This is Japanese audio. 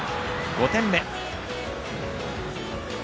５点目。